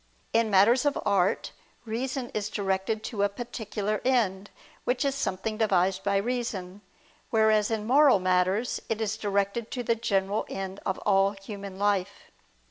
In matters of art, reason is directed to a particular end, which is something devised by reason: whereas in moral matters, it is directed to the general end of all human life.